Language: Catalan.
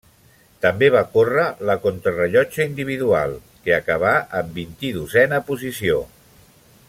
També va córrer la contrarellotge individual, que acabà en vint-i-dosena posició.